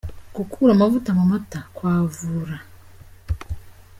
Gukura amavuta mu mata : Kwavura.